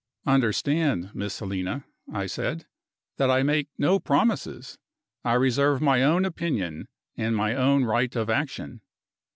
"Understand, Miss Helena," I said, "that I make no promises. I reserve my own opinion, and my own right of action."